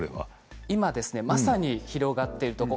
今まさに広がっているところ。